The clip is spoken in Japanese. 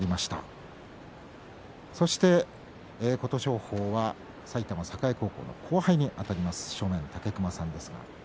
そして琴勝峰は高校の後輩にあたります、武隈さんです